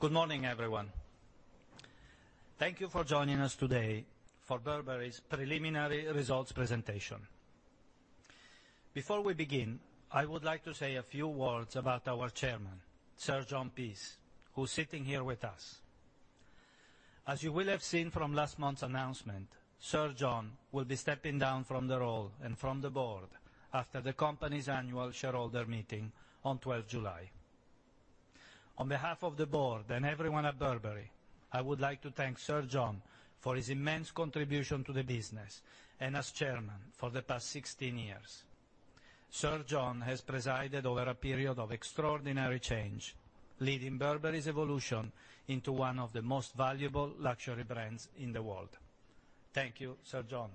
Good morning, everyone. Thank you for joining us today for Burberry's preliminary results presentation. Before we begin, I would like to say a few words about our Chairman, Sir John Peace, who's sitting here with us. As you will have seen from last month's announcement, Sir John will be stepping down from the role and from the board after the company's annual shareholder meeting on 12 July. On behalf of the board and everyone at Burberry, I would like to thank Sir John for his immense contribution to the business and as Chairman for the past 16 years. Sir John has presided over a period of extraordinary change, leading Burberry's evolution into one of the most valuable luxury brands in the world. Thank you, Sir John.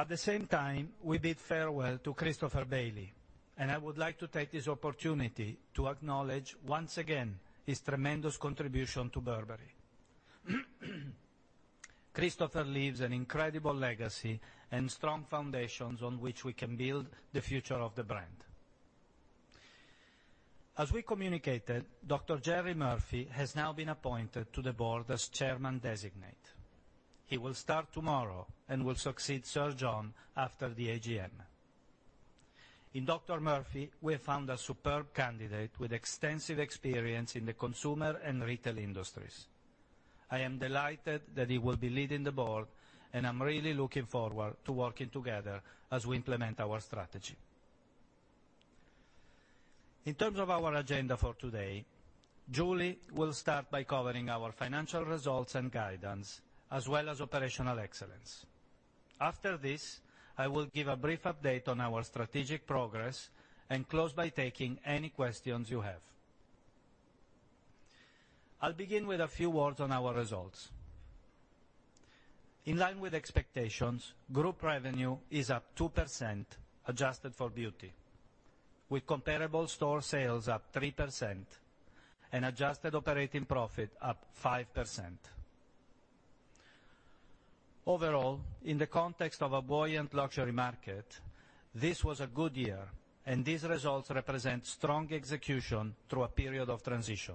At the same time, we bid farewell to Christopher Bailey. I would like to take this opportunity to acknowledge once again his tremendous contribution to Burberry. Christopher leaves an incredible legacy and strong foundations on which we can build the future of the brand. As we communicated, Dr. Gerry Murphy has now been appointed to the board as Chairman Designate. He will start tomorrow and will succeed Sir John after the AGM. In Dr. Murphy, we have found a superb candidate with extensive experience in the consumer and retail industries. I am delighted that he will be leading the board, and I'm really looking forward to working together as we implement our strategy. In terms of our agenda for today, Julie will start by covering our financial results and guidance, as well as operational excellence. After this, I will give a brief update on our strategic progress and close by taking any questions you have. I'll begin with a few words on our results. In line with expectations, group revenue is up 2% adjusted for beauty, with comparable store sales up 3% and adjusted operating profit up 5%. Overall, in the context of a buoyant luxury market, this was a good year, and these results represent strong execution through a period of transition.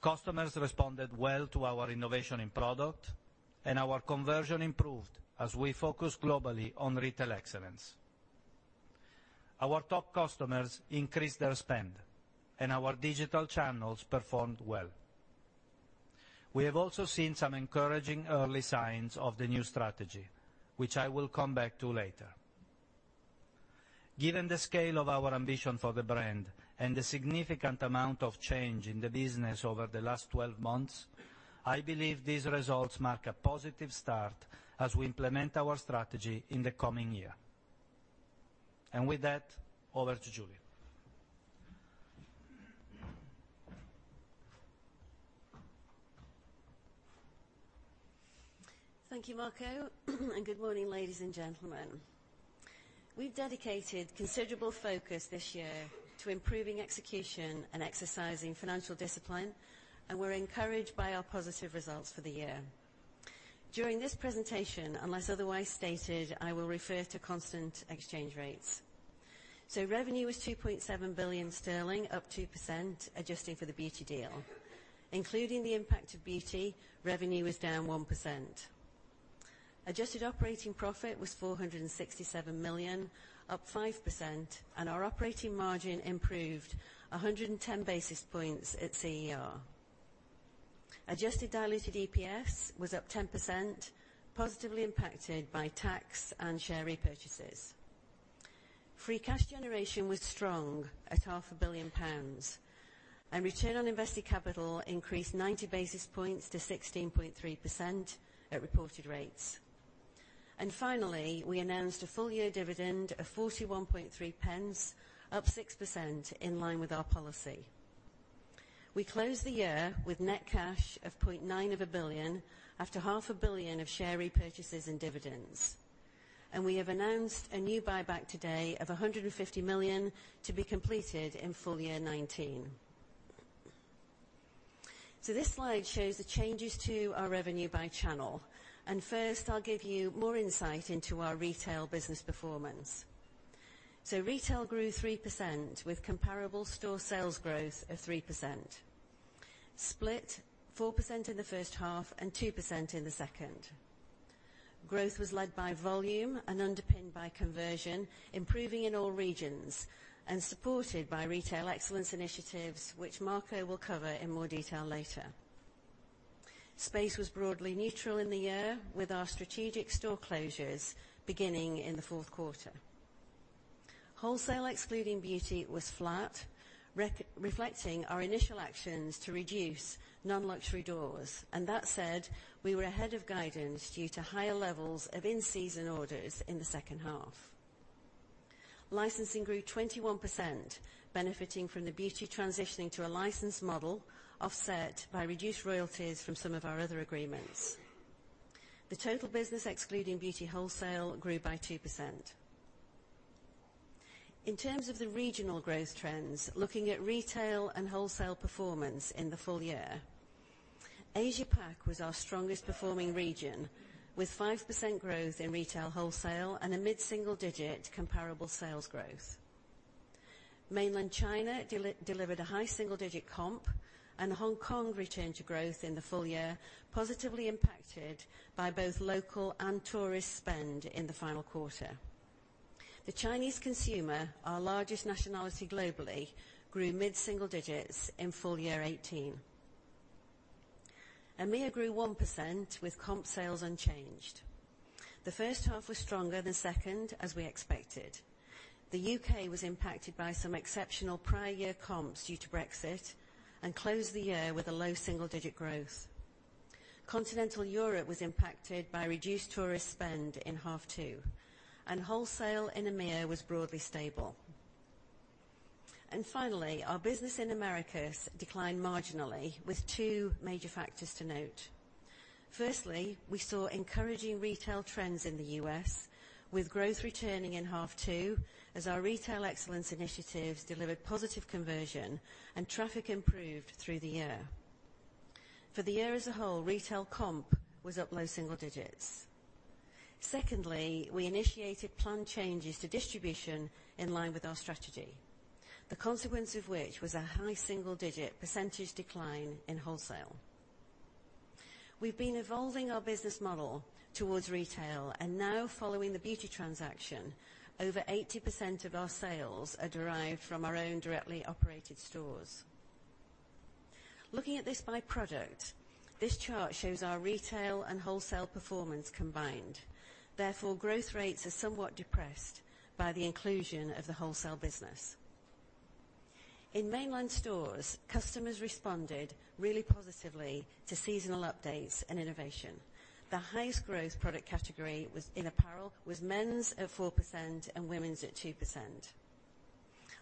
Customers responded well to our innovation in product, and our conversion improved as we focused globally on retail excellence. Our top customers increased their spend, and our digital channels performed well. We have also seen some encouraging early signs of the new strategy, which I will come back to later. Given the scale of our ambition for the brand and the significant amount of change in the business over the last 12 months, I believe these results mark a positive start as we implement our strategy in the coming year. With that, over to Julie. Thank you, Marco. Good morning, ladies and gentlemen. We dedicated considerable focus this year to improving execution and exercising financial discipline, and we're encouraged by our positive results for the year. During this presentation, unless otherwise stated, I will refer to constant exchange rates. Revenue was 2.7 billion sterling, up 2% adjusting for the beauty deal. Including the impact of beauty, revenue was down 1%. Adjusted operating profit was 467 million, up 5%, and our operating margin improved 110 basis points at CER. Adjusted diluted EPS was up 10%, positively impacted by tax and share repurchases. Free cash generation was strong at half a billion GBP, and return on invested capital increased 90 basis points to 16.3% at reported rates. Finally, we announced a full year dividend of 0.413, up 6%, in line with our policy. We closed the year with net cash of 0.9 billion after half a billion GBP of share repurchases and dividends. We have announced a new buyback today of 150 million to be completed in FY 2019. This slide shows the changes to our revenue by channel. First, I'll give you more insight into our retail business performance. Retail grew 3% with comparable store sales growth of 3%, split 4% in the first half and 2% in the second. Growth was led by volume and underpinned by conversion, improving in all regions and supported by retail excellence initiatives, which Marco will cover in more detail later. Space was broadly neutral in the year with our strategic store closures beginning in the fourth quarter. Wholesale excluding beauty was flat, reflecting our initial actions to reduce non-luxury doors. That said, we were ahead of guidance due to higher levels of in-season orders in the second half. Licensing grew 21%, benefiting from the beauty transitioning to a license model offset by reduced royalties from some of our other agreements. The total business excluding beauty wholesale grew by 2%. In terms of the regional growth trends, looking at retail and wholesale performance in the full year, Asia Pac was our strongest performing region, with 5% growth in retail wholesale and a mid-single-digit comparable sales growth. Mainland China delivered a high single-digit comp, and Hong Kong returned to growth in the full year, positively impacted by both local and tourist spend in the final quarter. The Chinese consumer, our largest nationality globally, grew mid-single digits in FY 2018. EMEA grew 1% with comp sales unchanged. The first half was stronger than second, as we expected. The U.K. was impacted by some exceptional prior year comps due to Brexit, closed the year with a low single-digit growth. Continental Europe was impacted by reduced tourist spend in half two, wholesale in EMEA was broadly stable. Finally, our business in Americas declined marginally with two major factors to note. Firstly, we saw encouraging retail trends in the U.S. with growth returning in half two as our retail excellence initiatives delivered positive conversion and traffic improved through the year. For the year as a whole, retail comp was up low single digits. Secondly, we initiated planned changes to distribution in line with our strategy, the consequence of which was a high single-digit percentage decline in wholesale. We've been evolving our business model towards retail and now following the beauty transaction, over 80% of our sales are derived from our own directly operated stores. Looking at this by product, this chart shows our retail and wholesale performance combined. Therefore, growth rates are somewhat depressed by the inclusion of the wholesale business. In mainland stores, customers responded really positively to seasonal updates and innovation. The highest growth product category in apparel was men's at 4% and women's at 2%.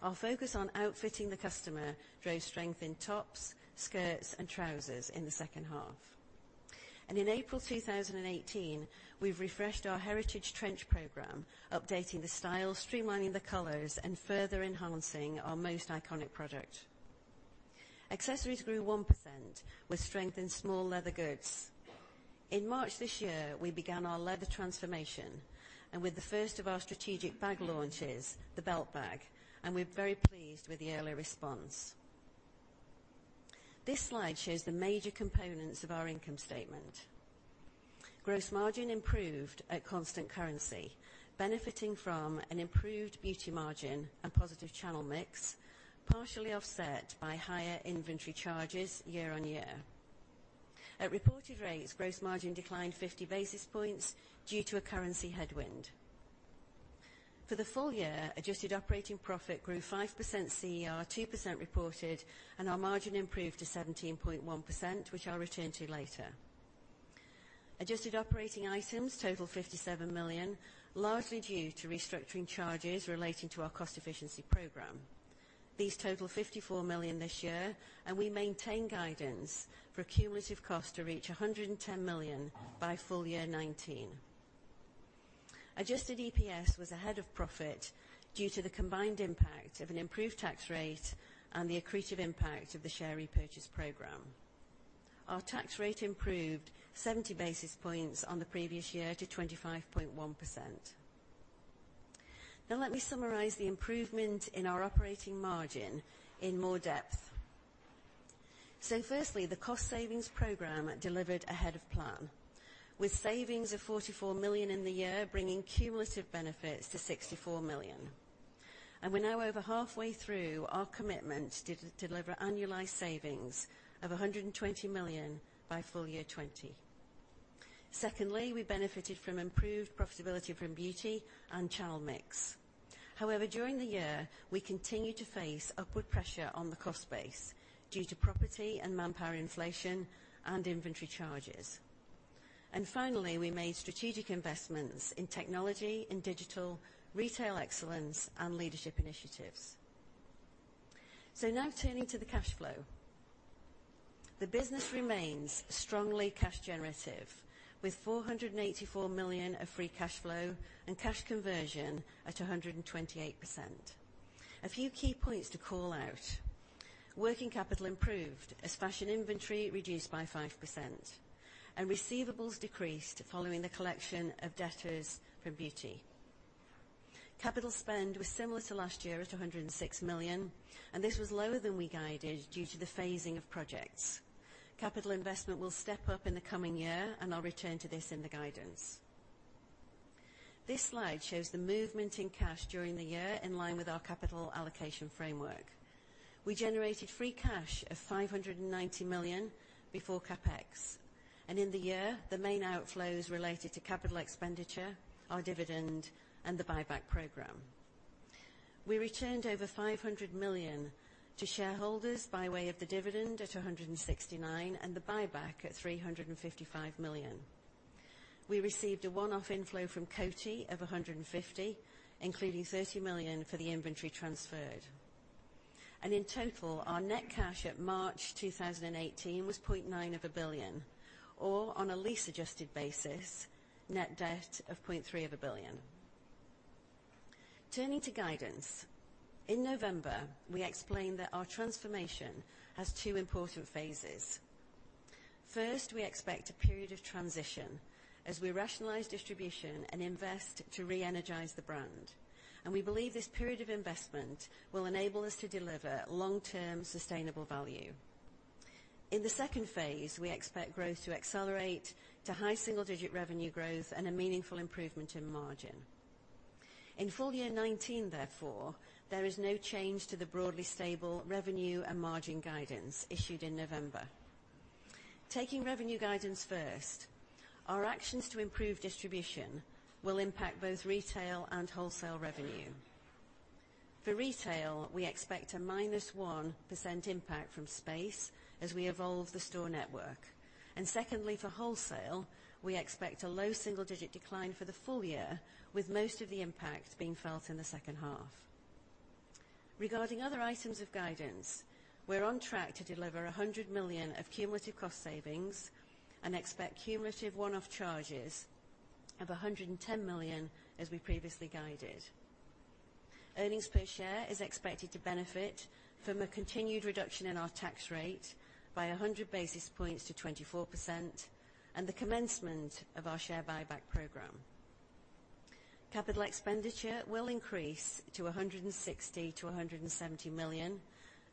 Our focus on outfitting the customer drove strength in tops, skirts, and trousers in the second half. In April 2018, we've refreshed our heritage trench program, updating the style, streamlining the colors, and further enhancing our most iconic product. Accessories grew 1% with strength in small leather goods. In March this year, we began our leather transformation and with the first of our strategic bag launches, the Belt Bag, and we're very pleased with the early response. This slide shows the major components of our income statement. Gross margin improved at constant currency, benefiting from an improved beauty margin and positive channel mix, partially offset by higher inventory charges year-on-year. At reported rates, gross margin declined 50 basis points due to a currency headwind. For the full year, adjusted operating profit grew 5% CER, 2% reported. Our margin improved to 17.1%, which I'll return to later. Adjusted operating items total 57 million, largely due to restructuring charges relating to our cost efficiency program. These total 54 million this year. We maintain guidance for cumulative cost to reach 110 million by FY 2019. Adjusted EPS was ahead of profit due to the combined impact of an improved tax rate and the accretive impact of the share repurchase program. Our tax rate improved 70 basis points on the previous year to 25.1%. Now let me summarize the improvement in our operating margin in more depth. Firstly, the cost savings program delivered ahead of plan with savings of 44 million in the year, bringing cumulative benefits to 64 million. We're now over halfway through our commitment to deliver annualized savings of 120 million by FY 2020. Secondly, we benefited from improved profitability from beauty and channel mix. However, during the year, we continued to face upward pressure on the cost base due to property and manpower inflation and inventory charges. Finally, we made strategic investments in technology, in digital, retail excellence, and leadership initiatives. Now turning to the cash flow. The business remains strongly cash generative with 484 million of free cash flow and cash conversion at 128%. A few key points to call out. Working capital improved as fashion inventory reduced by 5% and receivables decreased following the collection of debtors from beauty. Capital spend was similar to last year at 106 million. This was lower than we guided due to the phasing of projects. Capital investment will step up in the coming year. I'll return to this in the guidance. This slide shows the movement in cash during the year in line with our capital allocation framework. We generated free cash of 590 million before CapEx. In the year, the main outflows related to capital expenditure are dividend and the buyback program. We returned over 500 million to shareholders by way of the dividend at 169 million and the buyback at 355 million. We received a one-off inflow from Coty of 150 million, including 30 million for the inventory transferred. In total, our net cash at March 2018 was 0.9 billion, or on a lease adjusted basis, net debt of 0.3 billion. Turning to guidance. In November, we explained that our transformation has two important phases. First, we expect a period of transition as we rationalize distribution and invest to reenergize the brand, and we believe this period of investment will enable us to deliver long-term sustainable value. In the second phase, we expect growth to accelerate to high single-digit revenue growth and a meaningful improvement in margin. In full year 2019, therefore, there is no change to the broadly stable revenue and margin guidance issued in November. Taking revenue guidance first, our actions to improve distribution will impact both retail and wholesale revenue. For retail, we expect a -1% impact from space as we evolve the store network. Secondly, for wholesale, we expect a low double-digit decline for the full year, with most of the impact being felt in the second half. Regarding other items of guidance, we're on track to deliver 100 million of cumulative cost savings and expect cumulative one-off charges of 110 million, as we previously guided. EPS is expected to benefit from a continued reduction in our tax rate by 100 basis points to 24%, and the commencement of our share buyback program. CapEx will increase to 160 million-170 million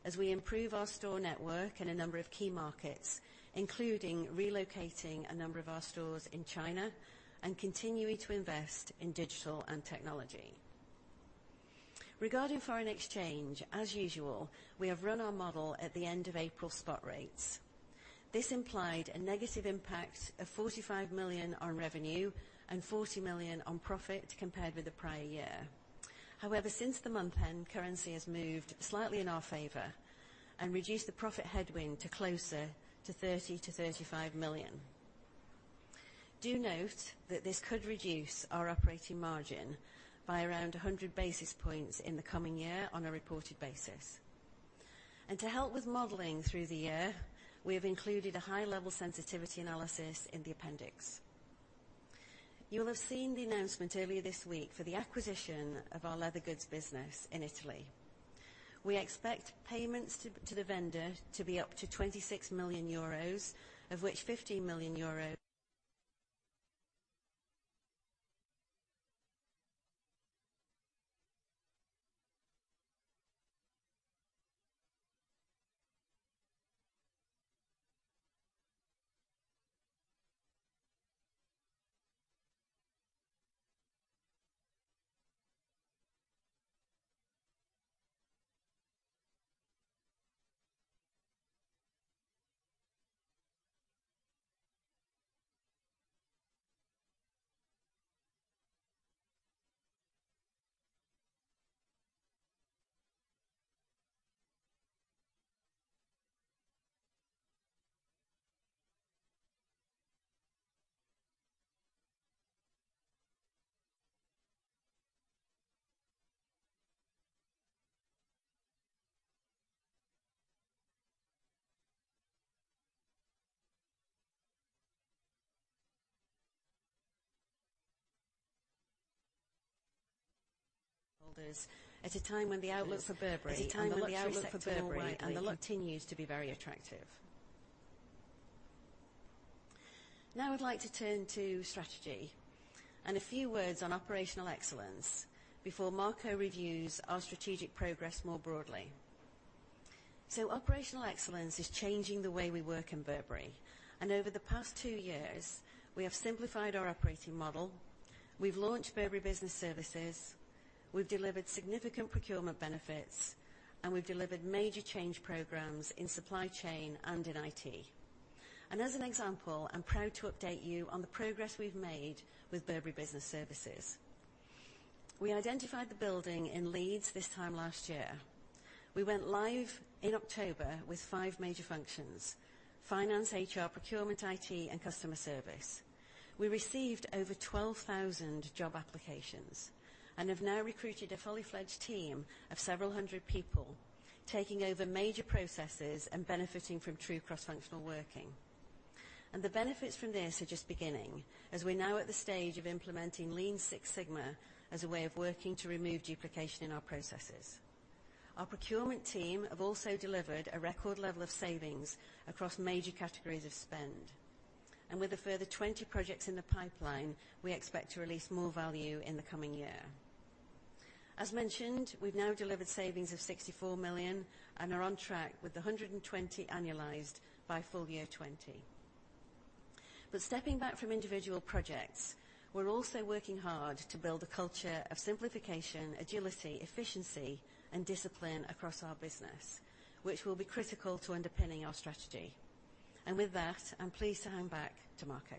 as we improve our store network in a number of key markets, including relocating a number of our stores in China and continuing to invest in digital and technology. Regarding foreign exchange, as usual, we have run our model at the end of April spot rates. This implied a negative impact of 45 million on revenue and 40 million on profit compared with the prior year. Since the month end, currency has moved slightly in our favor and reduced the profit headwind to closer to 30 million-35 million. Do note that this could reduce our operating margin by around 100 basis points in the coming year on a reported basis. To help with modeling through the year, we have included a high-level sensitivity analysis in the appendix. You'll have seen the announcement earlier this week for the acquisition of our leather goods business in Italy. We expect payments to the vendor to be up to €26 million, of which €15 million, at a time when the outlook for Burberry and the luxury sector more widely continues to be very attractive. I'd like to turn to strategy and a few words on operational excellence before Marco reviews our strategic progress more broadly. Operational excellence is changing the way we work in Burberry, and over the past two years, we have simplified our operating model. We've launched Burberry Business Services, we've delivered significant procurement benefits, and we've delivered major change programs in supply chain and in IT. As an example, I'm proud to update you on the progress we've made with Burberry Business Services. We identified the building in Leeds this time last year. We went live in October with five major functions: finance, HR, procurement, IT, and customer service. We received over 12,000 job applications and have now recruited a fully fledged team of several hundred people, taking over major processes and benefiting from true cross-functional working. The benefits from this are just beginning, as we're now at the stage of implementing Lean Six Sigma as a way of working to remove duplication in our processes. Our procurement team have also delivered a record level of savings across major categories of spend. With a further 20 projects in the pipeline, we expect to release more value in the coming year. As mentioned, we've now delivered savings of 64 million and are on track with the 120 annualized by full year 2020. Stepping back from individual projects, we're also working hard to build a culture of simplification, agility, efficiency, and discipline across our business, which will be critical to underpinning our strategy. With that, I'm pleased to hand back to Marco.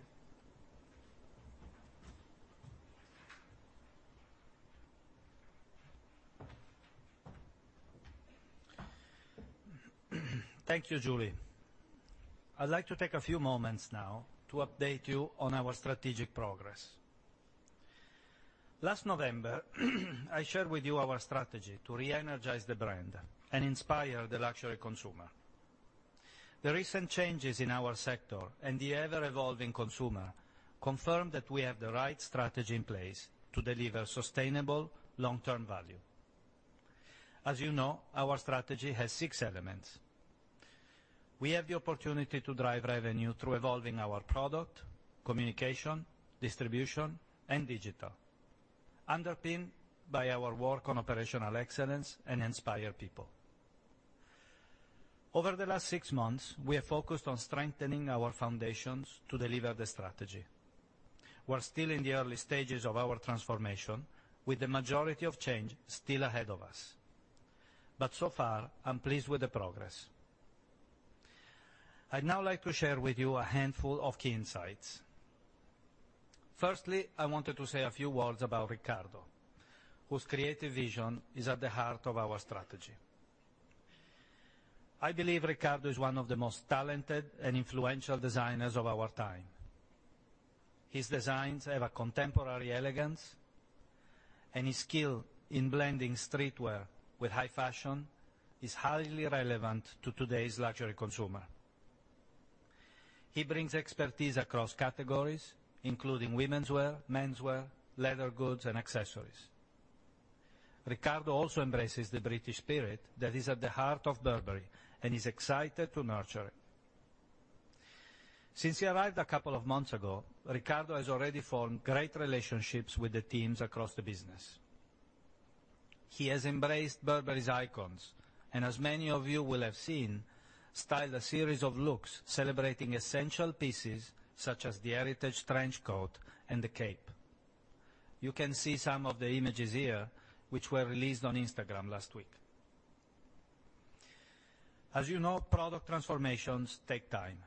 Thank you, Julie. I'd like to take a few moments now to update you on our strategic progress. Last November, I shared with you our strategy to reenergize the brand and inspire the luxury consumer. The recent changes in our sector and the ever-evolving consumer confirm that we have the right strategy in place to deliver sustainable long-term value. As you know, our strategy has six elements. We have the opportunity to drive revenue through evolving our product, communication, distribution, and digital, underpinned by our work on operational excellence and inspire people. Over the last six months, we have focused on strengthening our foundations to deliver the strategy. We're still in the early stages of our transformation, with the majority of change still ahead of us. So far, I'm pleased with the progress. I'd now like to share with you a handful of key insights. Firstly, I wanted to say a few words about Riccardo, whose creative vision is at the heart of our strategy. I believe Riccardo is one of the most talented and influential designers of our time. His designs have a contemporary elegance, and his skill in blending streetwear with high fashion is highly relevant to today's luxury consumer. He brings expertise across categories, including womenswear, menswear, leather goods, and accessories. Riccardo also embraces the British spirit that is at the heart of Burberry and is excited to nurture it. Since he arrived a couple of months ago, Riccardo has already formed great relationships with the teams across the business. He has embraced Burberry's icons, and as many of you will have seen, styled a series of looks celebrating essential pieces such as the heritage trench coat and the cape. You can see some of the images here, which were released on Instagram last week. As you know, product transformations take time.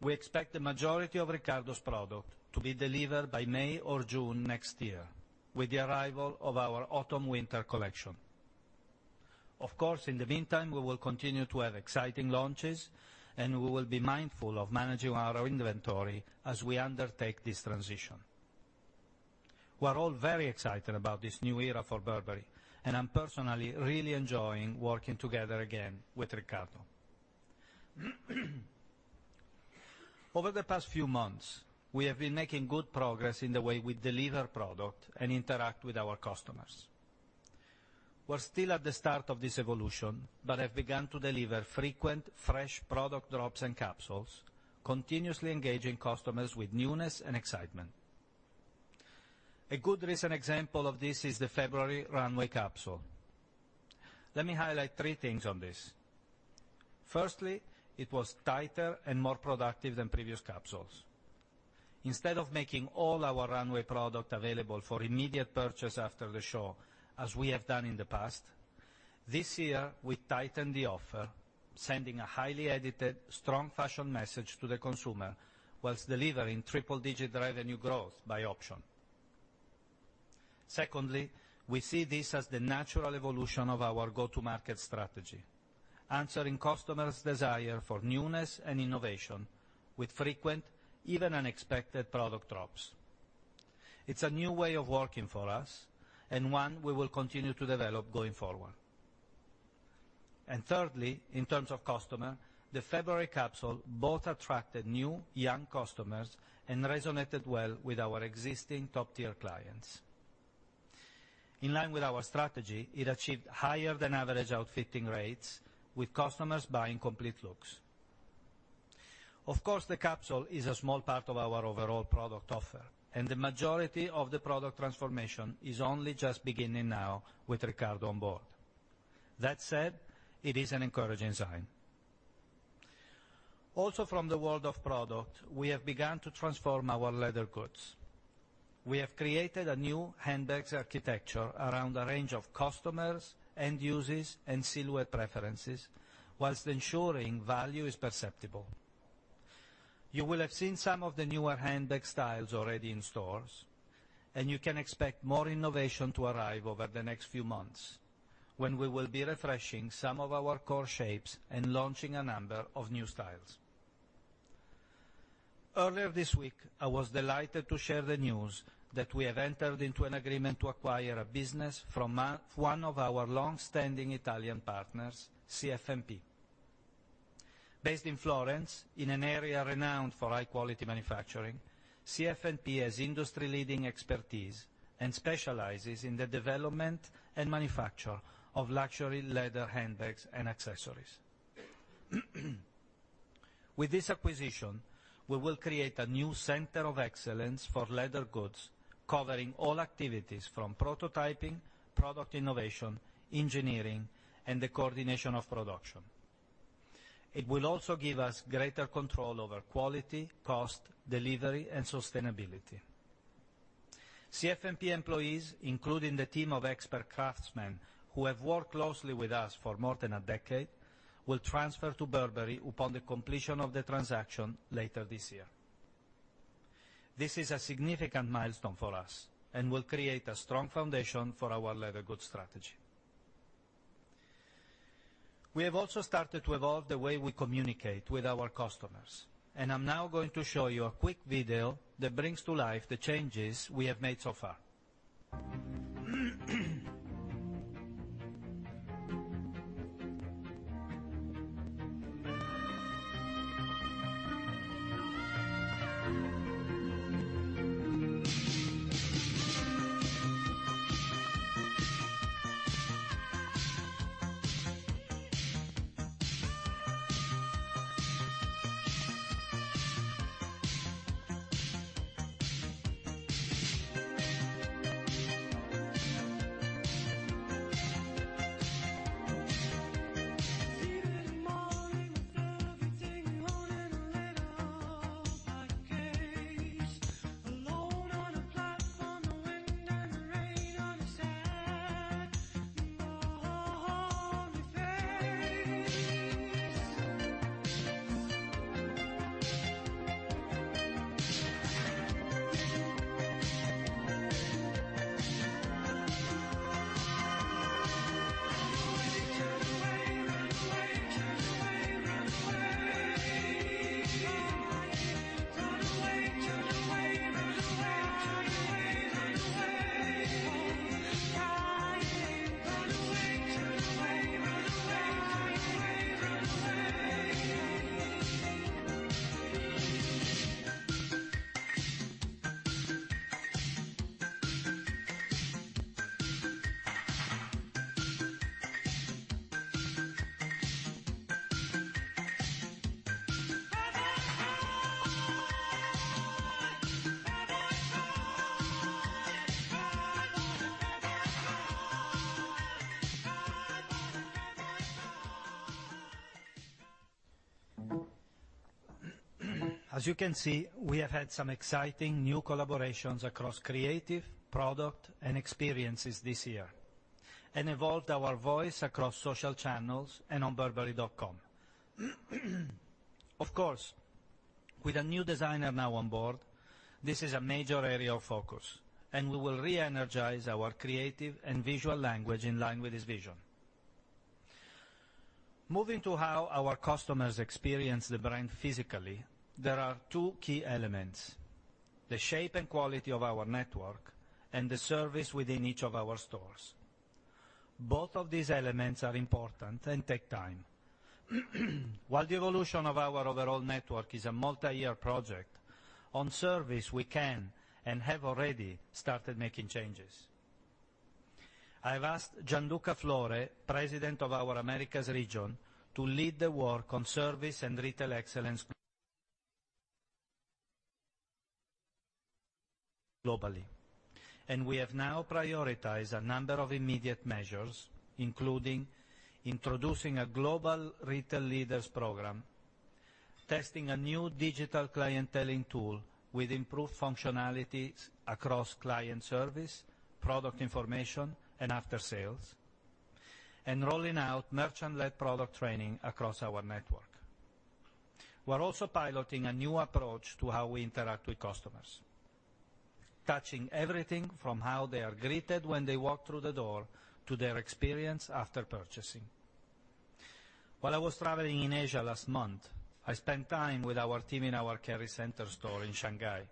We expect the majority of Riccardo's product to be delivered by May or June next year, with the arrival of our autumn/winter collection. Of course, in the meantime, we will continue to have exciting launches, and we will be mindful of managing our own inventory as we undertake this transition. We're all very excited about this new era for Burberry, and I'm personally really enjoying working together again with Riccardo. Over the past few months, we have been making good progress in the way we deliver product and interact with our customers. We're still at the start of this evolution, but have begun to deliver frequent, fresh product drops and capsules, continuously engaging customers with newness and excitement. A good recent example of this is the February runway capsule. Let me highlight three things on this. Firstly, it was tighter and more productive than previous capsules. Instead of making all our runway product available for immediate purchase after the show, as we have done in the past, this year, we tightened the offer, sending a highly edited, strong fashion message to the consumer whilst delivering triple-digit revenue growth by option. Secondly, we see this as the natural evolution of our go-to-market strategy, answering customers' desire for newness and innovation with frequent, even unexpected, product drops. It's a new way of working for us and one we will continue to develop going forward. Thirdly, in terms of customer, the February capsule both attracted new, young customers and resonated well with our existing top-tier clients. In line with our strategy, it achieved higher than average outfitting rates with customers buying complete looks. Of course, the capsule is a small part of our overall product offer, and the majority of the product transformation is only just beginning now with Riccardo on board. That said, it is an encouraging sign. Also, from the world of product, we have begun to transform our leather goods. We have created a new handbags architecture around the range of customers, end users, and silhouette preferences whilst ensuring value is perceptible. You will have seen some of the newer handbag styles already in stores, and you can expect more innovation to arrive over the next few months when we will be refreshing some of our core shapes and launching a number of new styles. Earlier this week, I was delighted to share the news that we have entered into an agreement to acquire a business from one of our longstanding Italian partners, CF&P. Based in Florence, in an area renowned for high-quality manufacturing, CF&P has industry-leading expertise and specializes in the development and manufacture of luxury leather handbags and accessories. With this acquisition, we will create a new center of excellence for leather goods, covering all activities from prototyping, product innovation, engineering, and the coordination of production. It will also give us greater control over quality, cost, delivery, and sustainability. CF&P employees, including the team of expert craftsmen who have worked closely with us for more than a decade, will transfer to Burberry upon the completion of the transaction later this year. This is a significant milestone for us and will create a strong foundation for our leather goods strategy. We have also started to evolve the way we communicate with our customers. I'm now going to show you a quick video that brings to life the changes we have made so far. As you can see, we have had some exciting new collaborations across creative, product, and experiences this year. Evolved our voice across social channels and on burberry.com. Of course, with a new designer now on board, this is a major area of focus, and we will reenergize our creative and visual language in line with his vision. Moving to how our customers experience the brand physically, there are two key elements, the shape and quality of our network and the service within each of our stores. Both of these elements are important and take time. While the evolution of our overall network is a multi-year project, on service, we can and have already started making changes. I've asked Gianluca Flore, President of our Americas region, to lead the work on service and retail excellence globally. We have now prioritized a number of immediate measures, including introducing a global retail leaders program, testing a new digital clienteling tool with improved functionalities across client service, product information, and after-sales, and rolling out merchant-led product training across our network. We're also piloting a new approach to how we interact with customers, touching everything from how they are greeted when they walk through the door to their experience after purchasing. While I was traveling in Asia last month, I spent time with our team in our Kerry Centre store in Shanghai,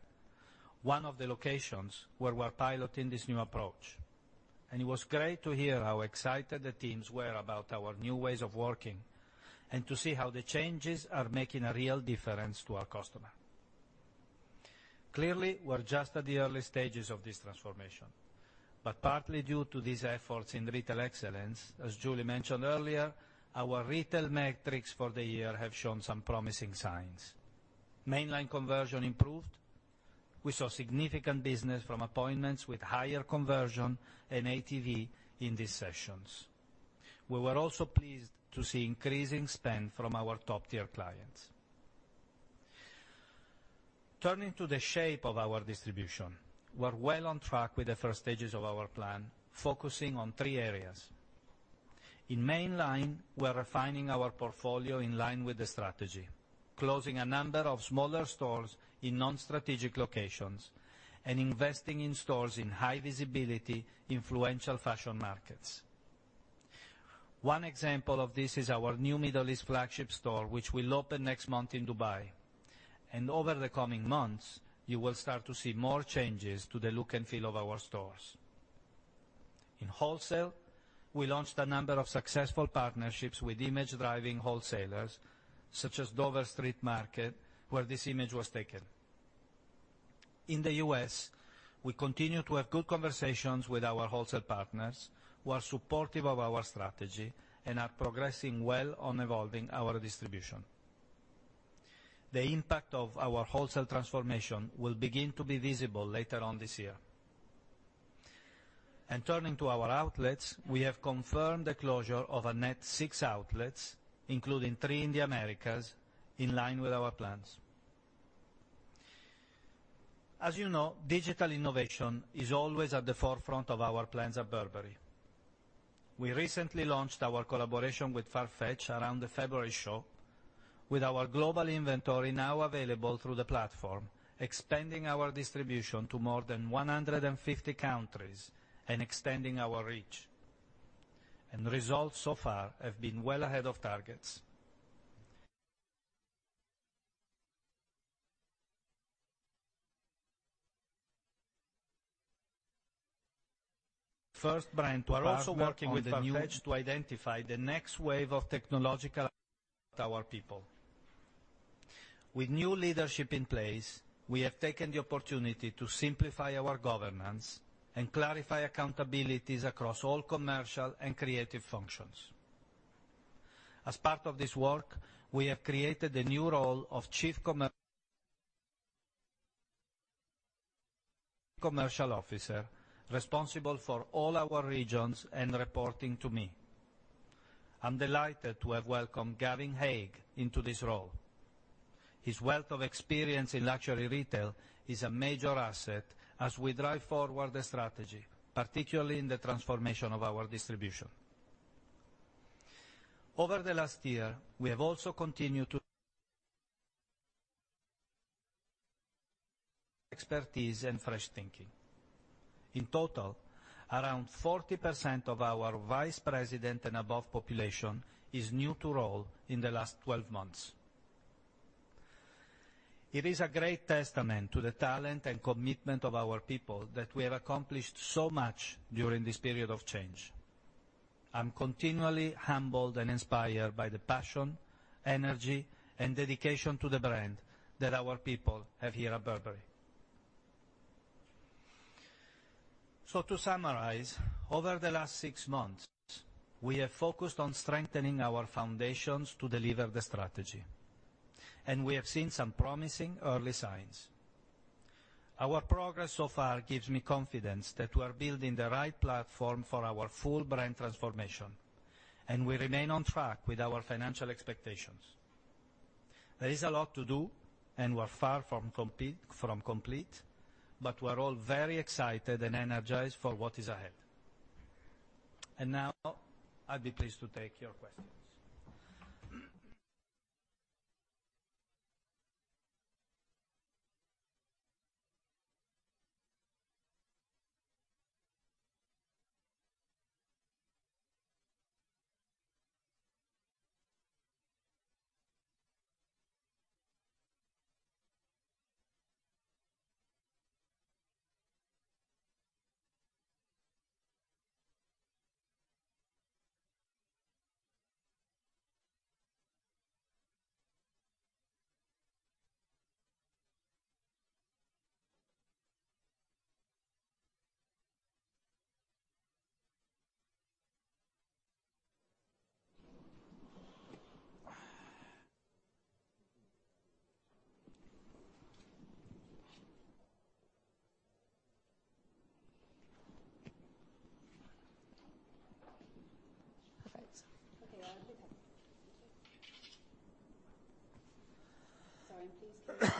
one of the locations where we're piloting this new approach. It was great to hear how excited the teams were about our new ways of working and to see how the changes are making a real difference to our customer. Clearly, we're just at the early stages of this transformation, but partly due to these efforts in retail excellence, as Julie mentioned earlier, our retail metrics for the year have shown some promising signs. Mainline conversion improved. We saw significant business from appointments with higher conversion and ATV in these sessions. We were also pleased to see increasing spend from our top-tier clients. Turning to the shape of our distribution, we're well on track with the 1st stages of our plan, focusing on three areas. In mainline, we are refining our portfolio in line with the strategy, closing a number of smaller stores in non-strategic locations and investing in stores in high-visibility, influential fashion markets. One example of this is our new Middle East flagship store, which will open next month in Dubai. Over the coming months, you will start to see more changes to the look and feel of our stores. In wholesale, we launched a number of successful partnerships with image-driving wholesalers, such as Dover Street Market, where this image was taken. In the U.S., we continue to have good conversations with our wholesale partners who are supportive of our strategy and are progressing well on evolving our distribution. The impact of our wholesale transformation will begin to be visible later on this year. Turning to our outlets, we have confirmed the closure of a net six outlets, including three in the Americas, in line with our plans. As you know, digital innovation is always at the forefront of our plans at Burberry. We recently launched our collaboration with Farfetch around the February show. With our global inventory now available through the platform, expanding our distribution to more than 150 countries and extending our reach. Results so far have been well ahead of targets. First brand to partner on the new. We're also working with our bench to identify the next wave of technological talent for our people. With new leadership in place, we have taken the opportunity to simplify our governance and clarify accountabilities across all commercial and creative functions. As part of this work, we have created a new role of Chief Commercial Officer, responsible for all our regions and reporting to me. I'm delighted to have welcomed Gavin Haig into this role. His wealth of experience in luxury retail is a major asset as we drive forward the strategy, particularly in the transformation of our distribution. Over the last year, we have also continued to expertise and fresh thinking. In total, around 40% of our vice president and above population is new to role in the last 12 months. It is a great testament to the talent and commitment of our people that we have accomplished so much during this period of change. I'm continually humbled and inspired by the passion, energy, and dedication to the brand that our people have here at Burberry. To summarize, over the last six months, we have focused on strengthening our foundations to deliver the strategy, and we have seen some promising early signs. Our progress so far gives me confidence that we're building the right platform for our full brand transformation, and we remain on track with our financial expectations. There is a lot to do, and we're far from complete, but we're all very excited and energized for what is ahead. Now, I'd be pleased to take your questions. Perfect. Okay, yeah. Okay. Sorry, please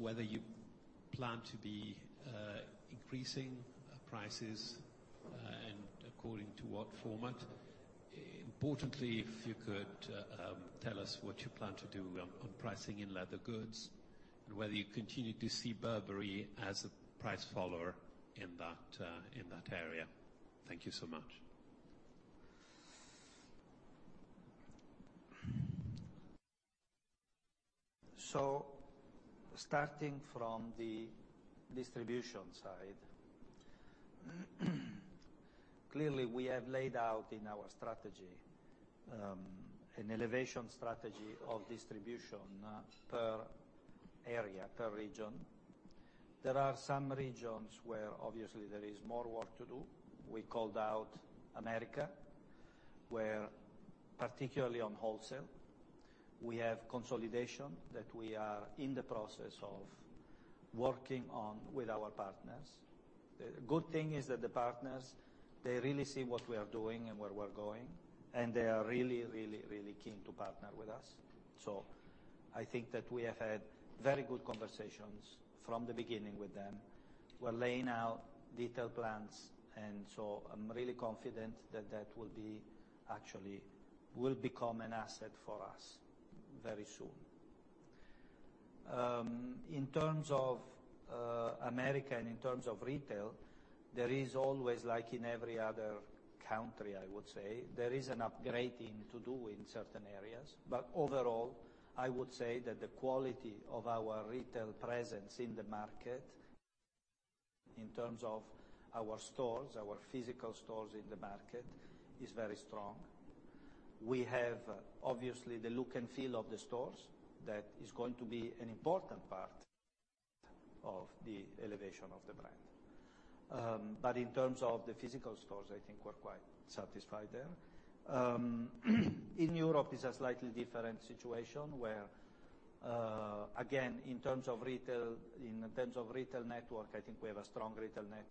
can you say who you are and where you're from? I would like to ask you, Sir, whether you plan to be increasing prices, and according to what format. Importantly, if you could tell us what you plan to do on pricing in leather goods and whether you continue to see Burberry as a price follower in that area. Thank you so much. Starting from the distribution side, clearly, we have laid out in our strategy, an elevation strategy of distribution per area, per region. There are some regions where obviously there is more work to do. We called out America, where particularly on wholesale, we have consolidation that we are in the process of working on with our partners. Good thing is that the partners, they really see what we are doing and where we're going, and they are really keen to partner with us. I think that we have had very good conversations from the beginning with them. We're laying out detailed plans, I'm really confident that that will become an asset for us very soon. In terms of America and in terms of retail, there is always, like in every other country, I would say, there is an upgrading to do in certain areas. Overall, I would say that the quality of our retail presence in the market in terms of our stores, our physical stores in the market, is very strong. We have obviously the look and feel of the stores that is going to be an important part of the elevation of the brand. In terms of the physical stores, I think we're quite satisfied there. In Europe, it's a slightly different situation, where, again, in terms of retail network, I think we have a strong retail network.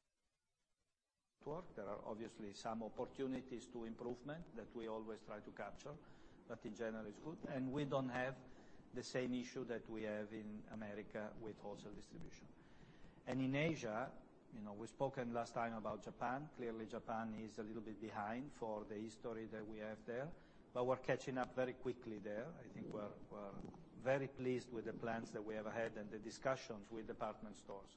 There are obviously some opportunities to improvement that we always try to capture, but in general it's good, and we don't have the same issue that we have in America with wholesale distribution. In Asia, we've spoken last time about Japan. Clearly Japan is a little bit behind for the history that we have there, but we're catching up very quickly there. I think we're very pleased with the plans that we have ahead and the discussions with department stores,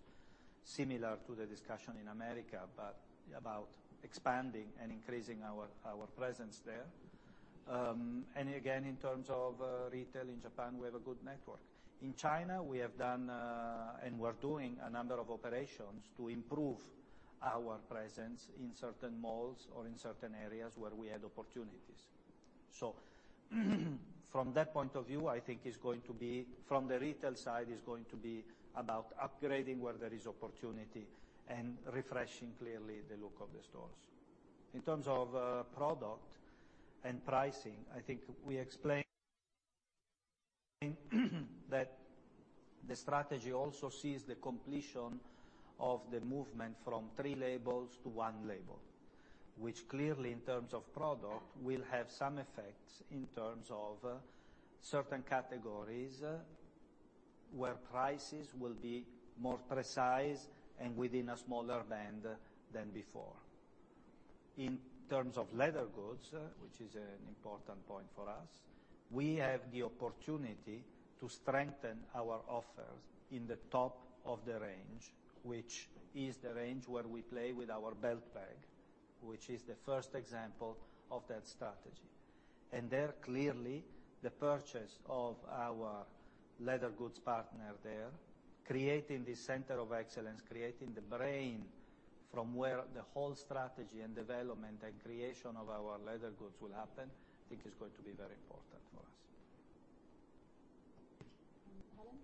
similar to the discussion in America, but about expanding and increasing our presence there. Again, in terms of retail in Japan, we have a good network. In China, we have done and we're doing a number of operations to improve our presence in certain malls or in certain areas where we had opportunities. From that point of view, I think from the retail side, it's going to be about upgrading where there is opportunity and refreshing, clearly, the look of the stores. In terms of product and pricing, I think we explained that the strategy also sees the completion of the movement from three labels to one label, which clearly in terms of product, will have some effects in terms of certain categories, where prices will be more precise and within a smaller band than before. In terms of leather goods, which is an important point for us, we have the opportunity to strengthen our offers in the top of the range, which is the range where we play with our Belt Bag, which is the first example of that strategy. There, clearly, the purchase of our leather goods partner there, creating the center of excellence, creating the brain from where the whole strategy and development and creation of our leather goods will happen, I think is going to be very important for us. Helen?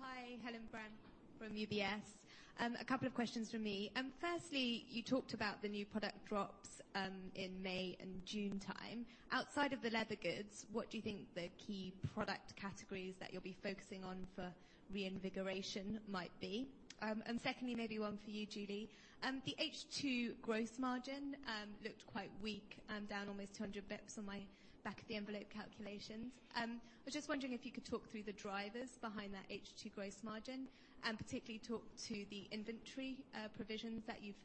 Hi. Helen Brand from UBS. A couple of questions from me. Firstly, you talked about the new product drops in May and June time. Outside of the leather goods, what do you think the key product categories that you'll be focusing on for reinvigoration might be? Secondly, maybe one for you, Julie. The H2 gross margin looked quite weak, down almost 200 basis points on my back of the envelope calculations. I was just wondering if you could talk through the drivers behind that H2 gross margin, and particularly talk to the inventory provisions that you've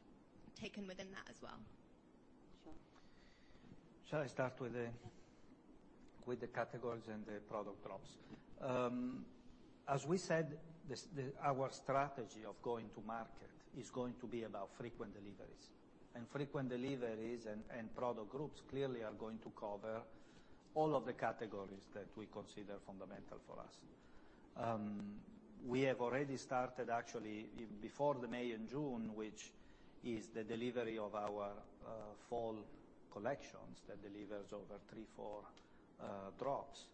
taken within that as well. Sure. Shall I start with the categories and the product drops? As we said, our strategy of going to market is going to be about frequent deliveries. Frequent deliveries and product groups clearly are going to cover all of the categories that we consider fundamental for us. We have already started, actually, before the May and June, which is the delivery of our fall collections that delivers over three, four drops.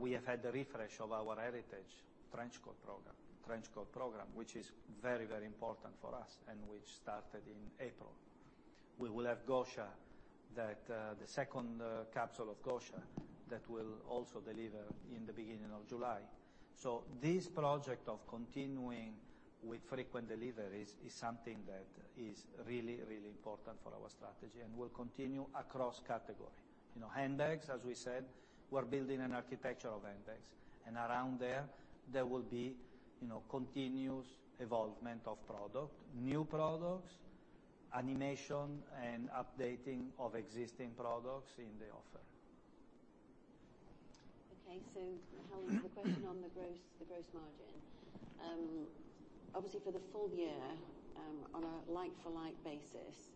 We have had the refresh of our heritage trench coat program, which is very important for us and which started in April. We will have Gosha, the second capsule of Gosha, that will also deliver in the beginning of July. This project of continuing with frequent deliveries is something that is really important for our strategy and will continue across category. Handbags, as we said, we're building an architecture of handbags. Around there will be continuous evolvement of product, new products, animation, and updating of existing products in the offer. Okay. Helen, the question on the gross margin. Obviously, for the full year, on a like-for-like basis,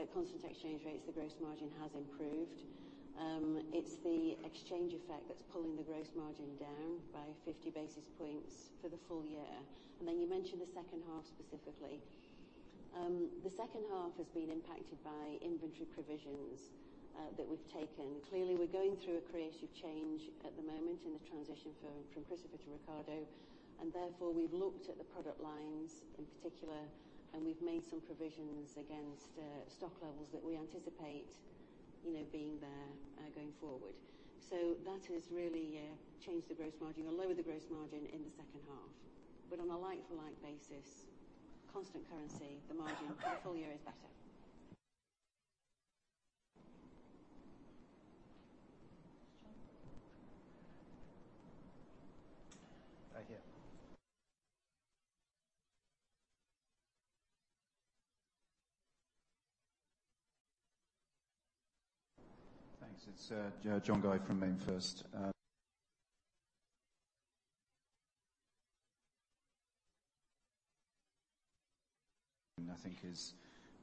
at constant exchange rates, the gross margin has improved. It's the exchange effect that's pulling the gross margin down by 50 basis points for the full year. Then you mentioned the second half specifically. The second half has been impacted by inventory provisions that we've taken. Clearly, we're going through a creative change at the moment in the transition from Christopher to Riccardo, therefore, we've looked at the product lines in particular, and we've made some provisions against stock levels that we anticipate being there going forward. That has really changed the gross margin, or lowered the gross margin in the second half. On a like-for-like basis, constant currency, the margin full year is better. Any more questions? Thank you. Thanks. It's John Guy from MainFirst. I think is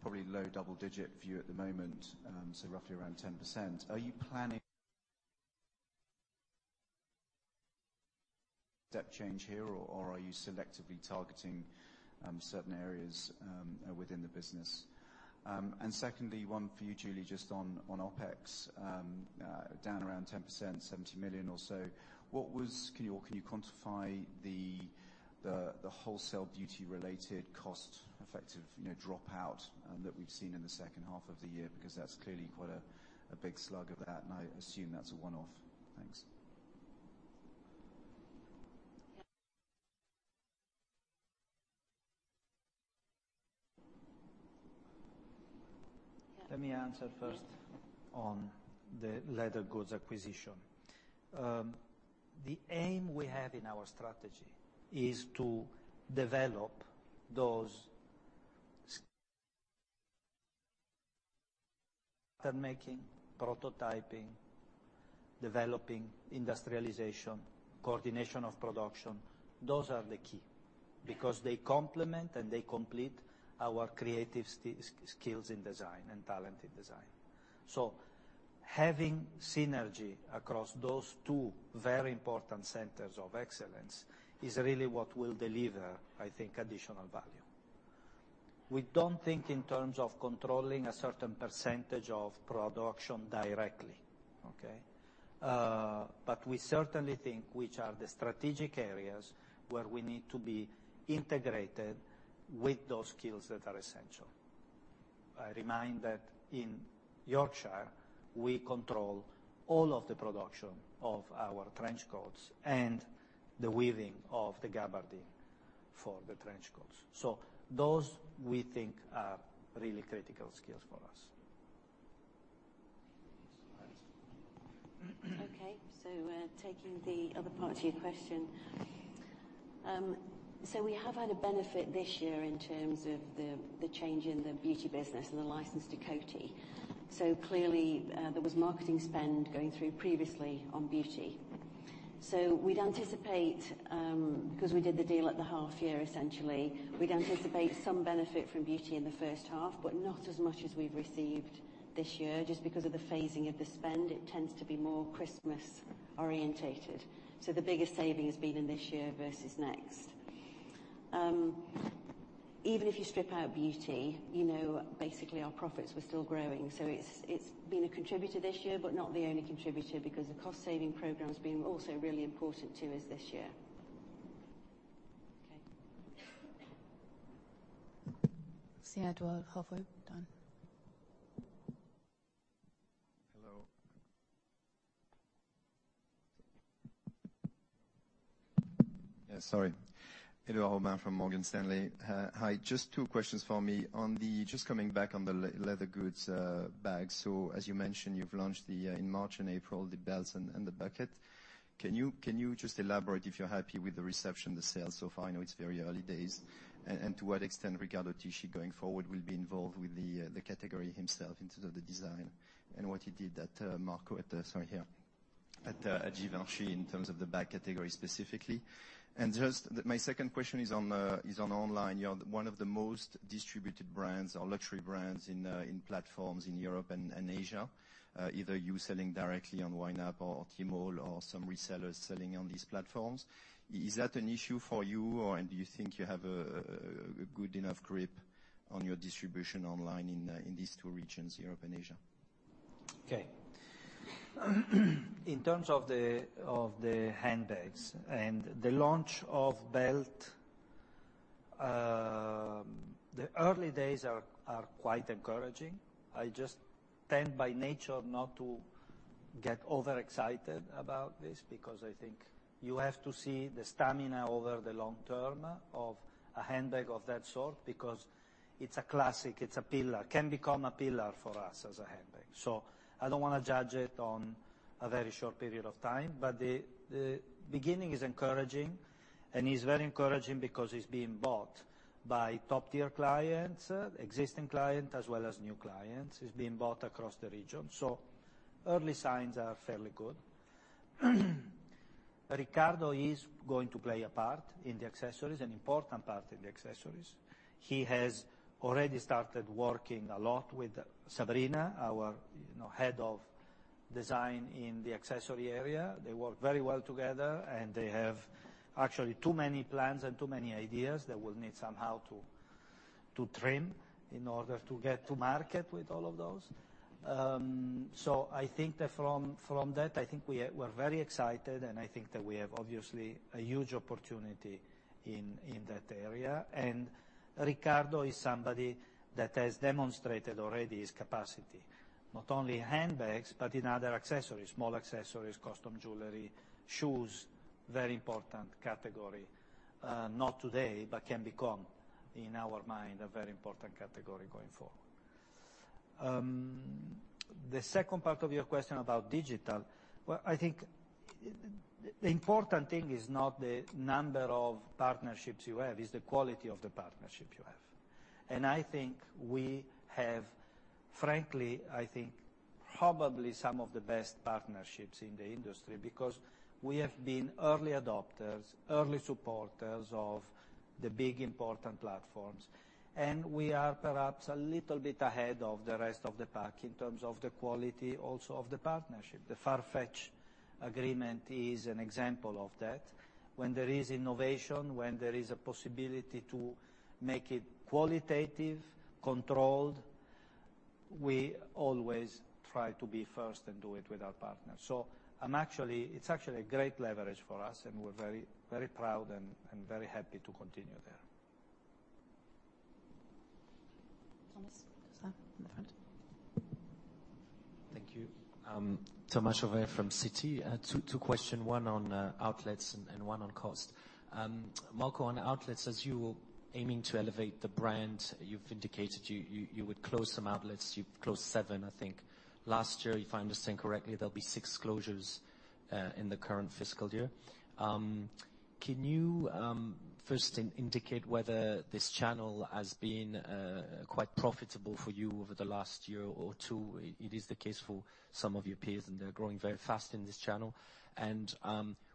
probably low double digit view at the moment, so roughly around 10%. Are you planning step change here, or are you selectively targeting certain areas within the business? Secondly, one for you, Julie, just on OpEx, down around 10%, 70 million or so. Can you quantify the wholesale beauty-related cost effective drop-out that we've seen in the second half of the year, because that's clearly quite a big slug of that, and I assume that's a one-off. Thanks. Let me answer first on the leather goods acquisition. The aim we have in our strategy is to develop those pattern making, prototyping, developing industrialization, coordination of production. Those are the key, because they complement and they complete our creative skills in design and talent in design. Having synergy across those two very important centers of excellence is really what will deliver, I think, additional value. We don't think in terms of controlling a certain percentage of production directly, okay? We certainly think which are the strategic areas where we need to be integrated with those skills that are essential. I remind that in Yorkshire, we control all of the production of our trench coats and the weaving of the gabardine for the trench coats. Those we think are really critical skills for us. Okay, taking the other part to your question. We have had a benefit this year in terms of the change in the beauty business and the license to Coty. Clearly, there was marketing spend going through previously on beauty. We'd anticipate, because we did the deal at the half year, essentially, we'd anticipate some benefit from beauty in the first half, but not as much as we've received this year, just because of the phasing of the spend. It tends to be more Christmas-orientated. The biggest saving has been in this year versus next. Even if you strip out beauty, basically our profits were still growing. It's been a contributor this year, but not the only contributor because the cost saving program has been also really important to us this year. Okay. Halfway done. Hello. Yeah, sorry. Hello, Romain from Morgan Stanley. Hi, just two questions for me. Just coming back on the leather goods bags. As you mentioned, you've launched in March and April, the belts and the bucket. Can you just elaborate if you're happy with the reception, the sales so far? I know it's very early days. To what extent Riccardo Tisci, going forward, will be involved with the category himself in terms of the design and what he did at Givenchy in terms of the bag category specifically. My second question is on online. You are one of the most distributed brands or luxury brands in platforms in Europe and Asia, either you selling directly on YNAP or Tmall or some resellers selling on these platforms. Is that an issue for you, or do you think you have a good enough grip on your distribution online in these two regions, Europe and Asia? Okay. In terms of the handbags and the launch of Belt Bag, the early days are quite encouraging. I just tend by nature not to get overexcited about this because I think you have to see the stamina over the long term of a handbag of that sort, because it's a classic. It's a pillar. Can become a pillar for us as a handbag. I don't want to judge it on a very short period of time, but the beginning is encouraging and is very encouraging because it's being bought by top-tier clients, existing client, as well as new clients. It's being bought across the region. Early signs are fairly good. Riccardo is going to play a part in the accessories, an important part in the accessories. He has already started working a lot with Sabrina, our head of design in the accessory area. They work very well together, they have actually too many plans and too many ideas that we'll need somehow to trim in order to get to market with all of those. I think that from that, I think we're very excited, I think that we have obviously a huge opportunity in that area. Riccardo is somebody that has demonstrated already his capacity, not only in handbags but in other accessories, small accessories, custom jewelry, shoes, very important category. Not today, but can become, in our mind, a very important category going forward. The second part of your question about digital. Well, I think the important thing is not the number of partnerships you have, it's the quality of the partnership you have. I think we have, frankly, I think probably some of the best partnerships in the industry because we have been early adopters, early supporters of the big, important platforms. We are perhaps a little bit ahead of the rest of the pack in terms of the quality also of the partnership. The Farfetch agreement is an example of that. When there is innovation, when there is a possibility to make it qualitative, controlled, we always try to be first and do it with our partners. It's actually a great leverage for us, and we're very proud and very happy to continue there. Thomas. In the front. Thank you. Thomas Chauvet from Citi. Two question, one on outlets and one on cost. Marco, on outlets, as you were aiming to elevate the brand, you've indicated you would close some outlets. You've closed seven, I think, last year. If I understand correctly, there will be six closures in the current fiscal year. Can you first indicate whether this channel has been quite profitable for you over the last year or two? It is the case for some of your peers, and they're growing very fast in this channel.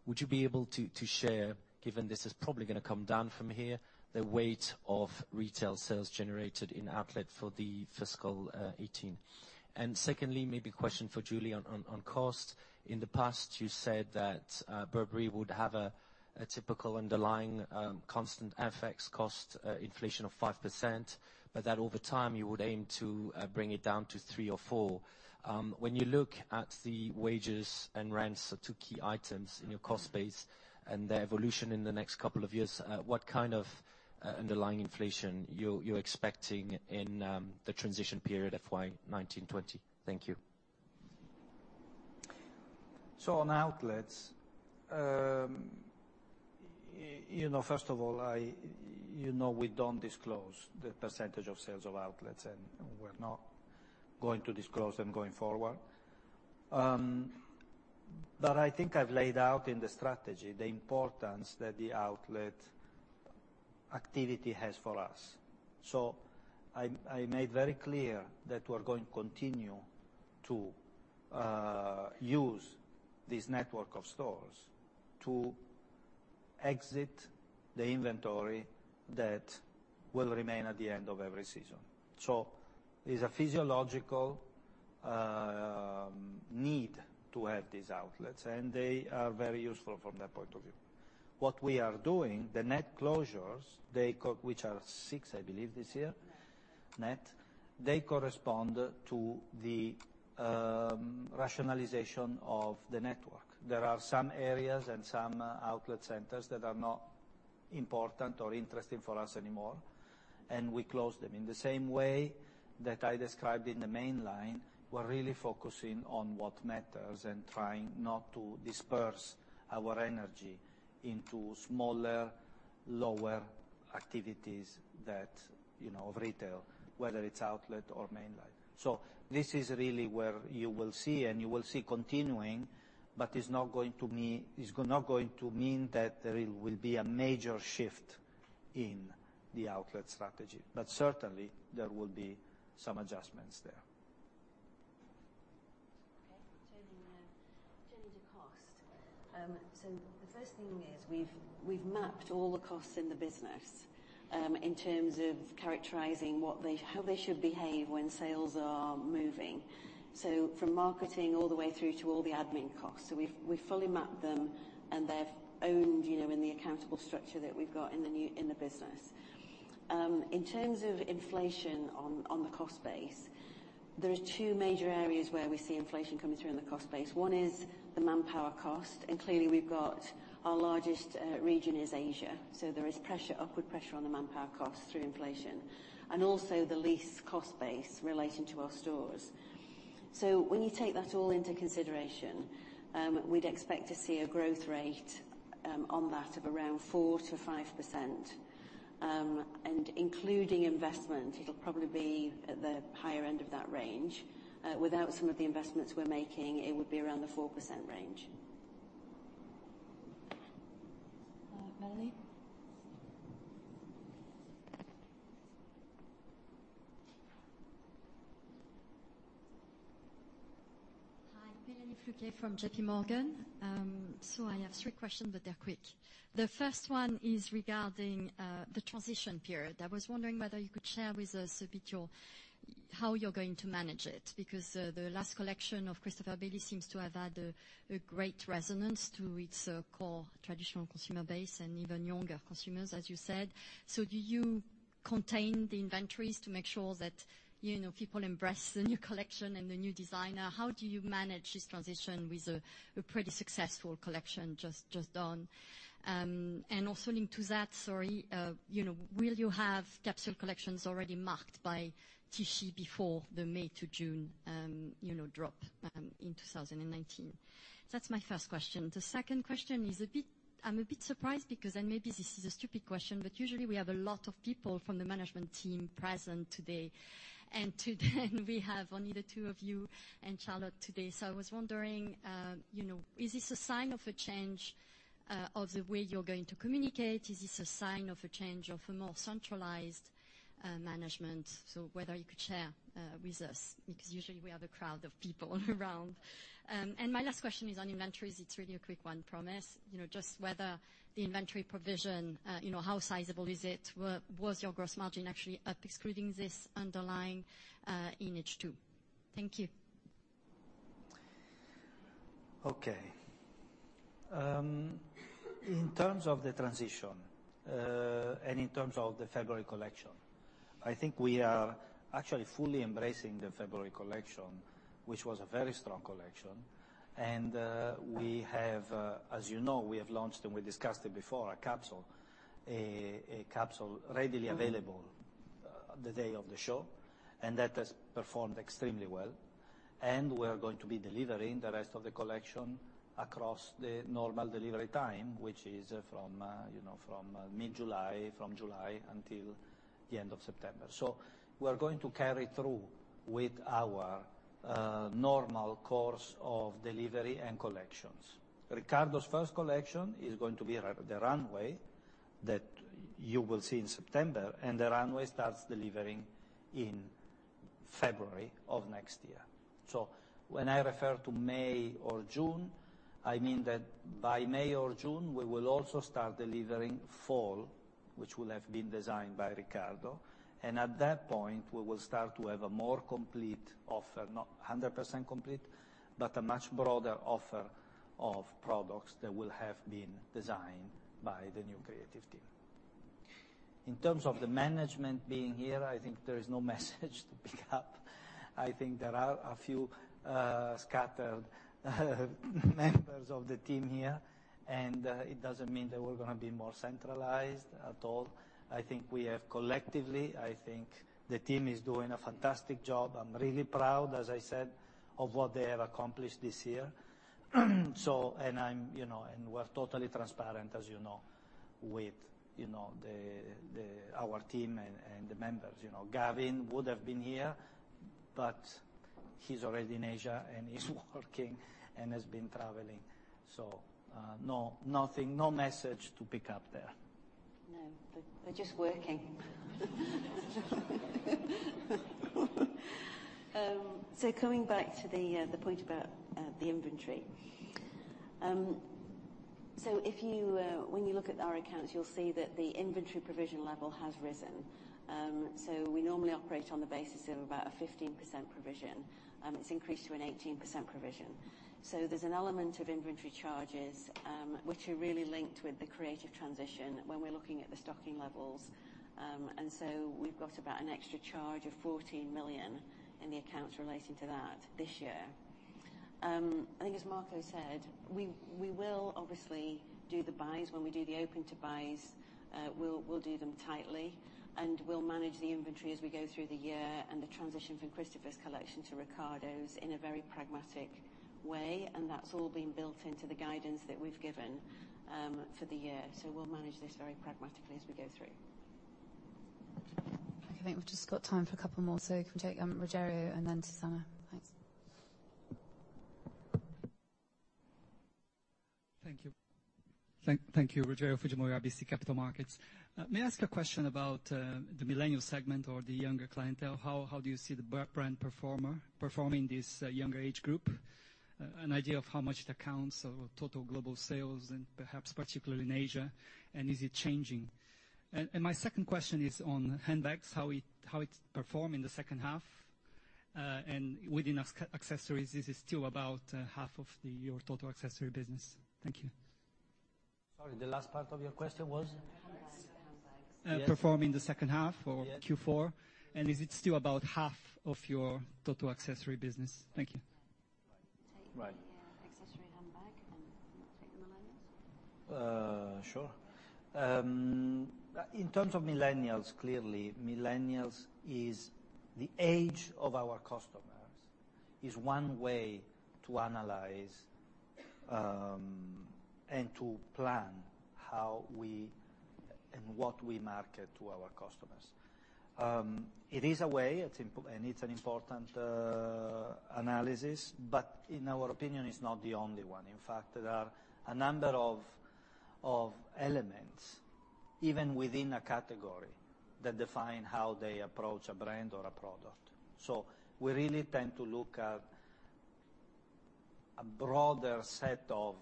Would you be able to share, given this is probably going to come down from here, the weight of retail sales generated in outlet for the fiscal 2018? Secondly, maybe a question for Julie on cost. In the past, you said that Burberry would have a typical underlying constant FX cost inflation of 5%, but that over time you would aim to bring it down to 3% or 4%. When you look at the wages and rents, the two key items in your cost base and their evolution in the next couple of years, what kind of underlying inflation you're expecting in the transition period FY 2019-2020? Thank you. On outlets, first of all, you know we don't disclose the percentage of sales of outlets. We're not going to disclose them going forward. I think I've laid out in the strategy the importance that the outlet activity has for us. I made very clear that we're going to continue to use this network of stores to exit the inventory that will remain at the end of every season. There's a physiological need to have these outlets, and they are very useful from that point of view. What we are doing, the net closures, which are six, I believe this year Net net, they correspond to the rationalization of the network. There are some areas and some outlet centers that are not important or interesting for us anymore, and we closed them. In the same way that I described in the main line, we're really focusing on what matters and trying not to disperse our energy into smaller, lower activities of retail, whether it's outlet or mainline. This is really where you will see and you will see continuing, but it's not going to mean that there will be a major shift in the outlet strategy. Certainly, there will be some adjustments there. Okay. Turning to cost. The first thing is we've mapped all the costs in the business in terms of characterizing how they should behave when sales are moving. From marketing all the way through to all the admin costs. We've fully mapped them, and they're owned in the accountable structure that we've got in the business. In terms of inflation on the cost base, there are two major areas where we see inflation coming through in the cost base. One is the manpower cost, and clearly we've got our largest region is Asia. There is upward pressure on the manpower cost through inflation. Also the lease cost base relating to our stores. When you take that all into consideration, we'd expect to see a growth rate on that of around 4%-5%. Including investment, it'll probably be at the higher end of that range. Without some of the investments we're making, it would be around the 4% range. Mélanie? Hi. Mélanie Flouquet from JP Morgan. I have three questions, but they're quick. The first one is regarding the transition period. I was wondering whether you could share with us a bit how you're going to manage it, because the last collection of Christopher Bailey seems to have had a great resonance to its core traditional consumer base and even younger consumers, as you said. Do you contain the inventories to make sure that people embrace the new collection and the new designer? How do you manage this transition with a pretty successful collection just done? Also linked to that, sorry, will you have capsule collections already marked by TC before the May to June drop in 2019? That's my first question. The second question is, I'm a bit surprised because, maybe this is a stupid question, usually we have a lot of people from the management team present today we have only the two of you and Charlotte today. I was wondering, is this a sign of a change of the way you're going to communicate? Is this a sign of a change of a more centralized management? Whether you could share with us, because usually we have a crowd of people around. My last question is on inventories. It's really a quick one, promise. Just whether the inventory provision, how sizable is it? Was your gross margin actually up excluding this underlying in H2? Thank you. Okay. In terms of the transition, in terms of the February collection, I think we are actually fully embracing the February collection, which was a very strong collection. As you know, we have launched and we discussed it before, a capsule readily available the day of the show, that has performed extremely well. We're going to be delivering the rest of the collection across the normal delivery time, which is from mid-July, from July until the end of September. We're going to carry through with our normal course of delivery and collections. Riccardo's first collection is going to be The Runway that you will see in September, The Runway starts delivering in February of next year. When I refer to May or June, I mean that by May or June, we will also start delivering fall, which will have been designed by Riccardo. At that point, we will start to have a more complete offer, not 100% complete, but a much broader offer of products that will have been designed by the new creative team. In terms of the management being here, I think there is no message to pick up. I think there are a few scattered members of the team here, it doesn't mean that we're going to be more centralized at all. I think we have collectively, the team is doing a fantastic job. I'm really proud, as I said, of what they have accomplished this year. We're totally transparent, as you know, with our team and the members. Gavin would've been here, but he's already in Asia and he's working and has been traveling. No message to pick up there. No. They're just working. Coming back to the point about the inventory. When you look at our accounts, you'll see that the inventory provision level has risen. We normally operate on the basis of about a 15% provision. It's increased to an 18% provision. There's an element of inventory charges, which are really linked with the creative transition when we're looking at the stocking levels. We've got about an extra charge of 14 million in the accounts relating to that this year. I think as Marco said, we will obviously do the buys. When we do the open to buys, we'll do them tightly, and we'll manage the inventory as we go through the year and the transition from Christopher's collection to Riccardo's in a very pragmatic way. That's all been built into the guidance that we've given for the year. We'll manage this very pragmatically as we go through. Okay. I think we've just got time for a couple more, so we can take Rogério and then Susannah. Thanks. Thank you. Rogério Fujimori, RBC Capital Markets. May I ask a question about the millennial segment or the younger clientele? How do you see the brand performing in this younger age group? An idea of how much it accounts of total global sales and perhaps particularly in Asia, and is it changing? My second question is on handbags, how it's performed in the second half. Within accessories, this is still about half of your total accessory business. Thank you. Sorry, the last part of your question was? Handbags. Perform in the second half or Q4. Yeah. Is it still about half of your total accessory business? Thank you. Right. Take the accessory handbag and you can take the millennials. Sure. In terms of millennials, clearly millennials is the age of our customers, is one way to analyze and to plan how we and what we market to our customers. It is a way, and it's an important analysis, but in our opinion, it's not the only one. In fact, there are a number of elements even within a category that define how they approach a brand or a product. We really tend to look at a broader set of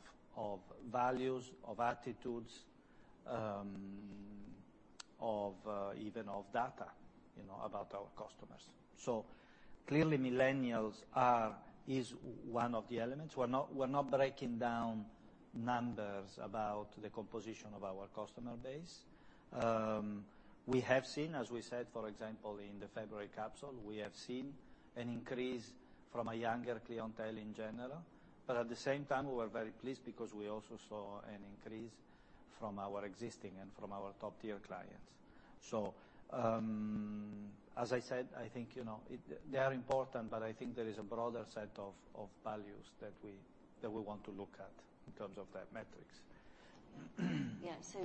values, of attitudes, of even of data about our customers. Clearly millennials is one of the elements. We're not breaking down numbers about the composition of our customer base. We have seen, as we said, for example, in the February capsule, we have seen an increase from a younger clientele in general. At the same time, we were very pleased because we also saw an increase from our existing and from our top-tier clients. As I said, I think they are important, but I think there is a broader set of values that we want to look at in terms of that metrics. Yeah.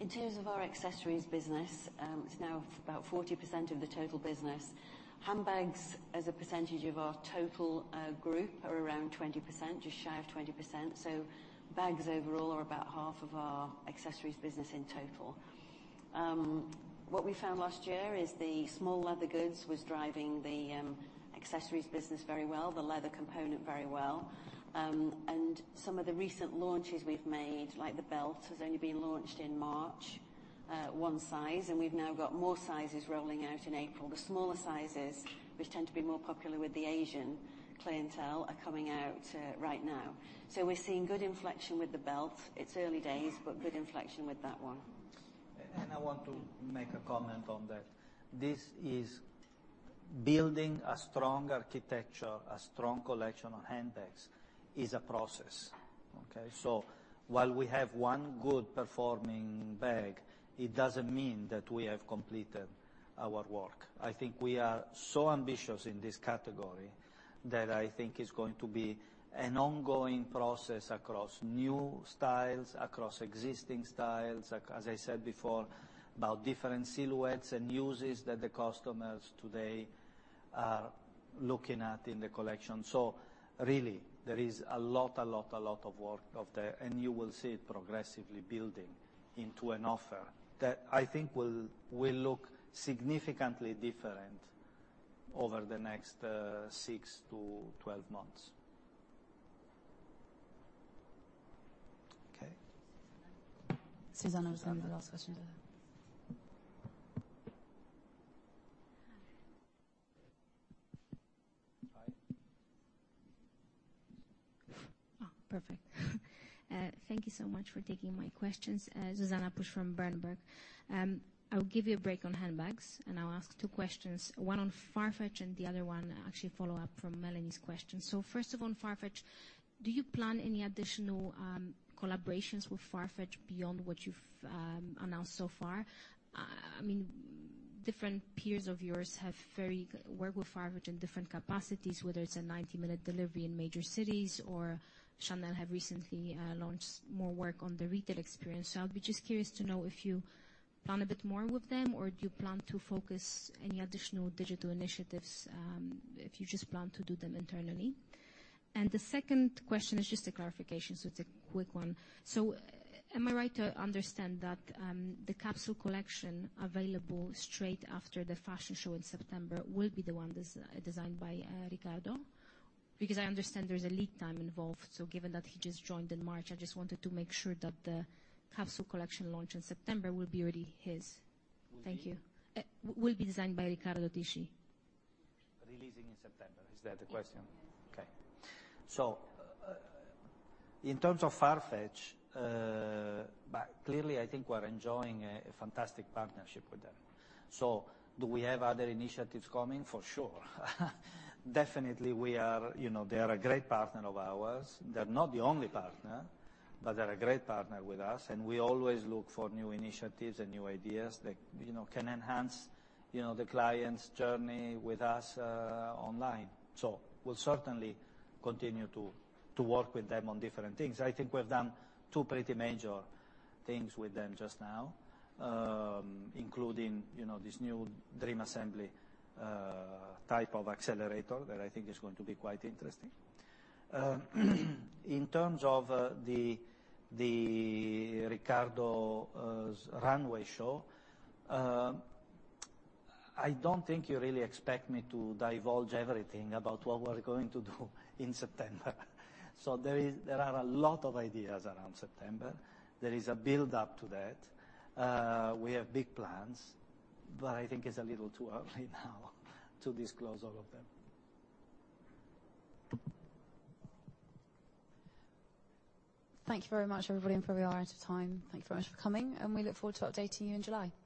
In terms of our accessories business, it's now about 40% of the total business. Handbags as a percentage of our total group are around 20%, just shy of 20%. Bags overall are about half of our accessories business in total. What we found last year is the small leather goods was driving the accessories business very well, the leather component very well. Some of the recent launches we've made, like the Belt, has only been launched in March. One size, and we've now got more sizes rolling out in April. The smaller sizes, which tend to be more popular with the Asian clientele, are coming out right now. We're seeing good inflection with the Belt. It's early days, but good inflection with that one. I want to make a comment on that. This is building a strong architecture, a strong collection of handbags is a process. Okay. While we have one good-performing bag, it doesn't mean that we have completed our work. I think we are so ambitious in this category that I think it's going to be an ongoing process across new styles, across existing styles, as I said before, about different silhouettes and uses that the customers today are looking at in the collection. Really, there is a lot of work out there, and you will see it progressively building into an offer that I think will look significantly different over the next six to 12 months. Okay. Susannah has the last question today. Hi. Oh, perfect. Thank you so much for taking my questions. Susannah Pusch from Berenberg. I'll give you a break on handbags, and I'll ask two questions, one on Farfetch and the other one actually follow-up from Mélanie's question. First of on Farfetch, do you plan any additional collaborations with Farfetch beyond what you've announced so far? Different peers of yours work with Farfetch in different capacities, whether it's a 90-minute delivery in major cities, or Chanel have recently launched more work on the retail experience. I'll be just curious to know if you plan a bit more with them, or do you plan to focus any additional digital initiatives, if you just plan to do them internally? The second question is just a clarification, so it's a quick one. Am I right to understand that the capsule collection available straight after the fashion show in September will be the one that's designed by Riccardo? Because I understand there's a lead time involved, so given that he just joined in March, I just wanted to make sure that the capsule collection launch in September will be already his. Thank you. Will be? Will be designed by Riccardo Tisci. Releasing in September, is that the question? Yes. Okay. In terms of Farfetch, clearly, I think we're enjoying a fantastic partnership with them. Do we have other initiatives coming? For sure. Definitely, they are a great partner of ours. They're not the only partner, but they're a great partner with us, and we always look for new initiatives and new ideas that can enhance the client's journey with us online. We'll certainly continue to work with them on different things. I think we've done two pretty major things with them just now, including this new Dream Assembly type of accelerator that I think is going to be quite interesting. In terms of the Riccardo's runway show, I don't think you really expect me to divulge everything about what we're going to do in September. There are a lot of ideas around September. There is a build-up to that. We have big plans, but I think it's a little too early now to disclose all of them. Thank you very much, everybody, and for we are out of time. Thank you very much for coming, and we look forward to updating you in July. Thank you. Thank you.